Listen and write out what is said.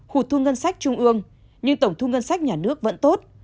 hụt thu ngân sách trung ương nhưng tổng thu ngân sách nhà nước vẫn tốt